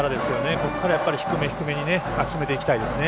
ここから低め低めに集めていきたいですね。